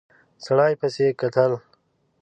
سړي پسې کتل.